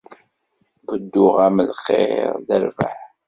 Buddeɣ-am lxir d rrbeḥ.